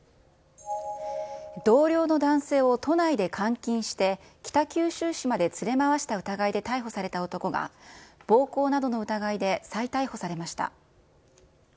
同僚の男性を都内で監禁して北九州市まで連れ回した疑いで逮捕された男が、暴行などの疑いで再逮捕されました。